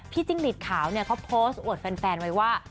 จิ้งหลีดขาวเนี่ยเขาโพสต์อวดแฟนไว้ว่า